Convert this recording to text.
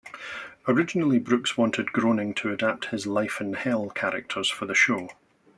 Originally, Brooks wanted Groening to adapt his "Life in Hell" characters for the show.